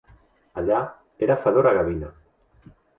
Allà, era Fedora Gavina.